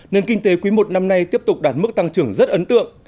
nền kinh tế quý i năm nay tiếp tục đạt mức tăng trưởng rất ấn tượng